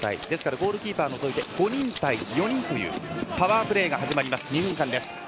ですからゴールキーパーを除き５人対４人というパワープレーが始まります。